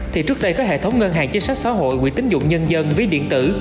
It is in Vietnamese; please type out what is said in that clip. thì trước đây các hệ thống ngân hàng chính sách xã hội quỹ tín dụng nhân dân với điện tử